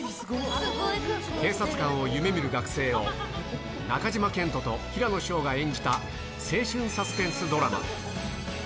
警察官を夢みる学生を、中島健人と平野紫燿が演じた青春サスペンスドラマ。